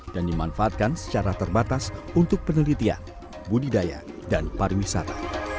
dan dimanfaatkan secara terbatas untuk penelitian budidaya dan pariwisata